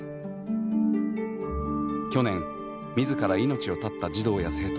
去年自ら命を絶った児童や生徒は５１４人。